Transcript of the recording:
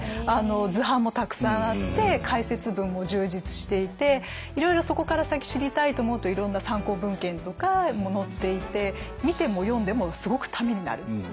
図版もたくさんあって解説文も充実していていろいろそこから先知りたいと思うといろんな参考文献とかも載っていて見ても読んでもすごくためになる。